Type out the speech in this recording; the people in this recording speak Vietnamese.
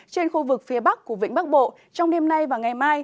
trên khu vực phía bắc của vĩnh bắc bộ trong đêm nay và ngày mai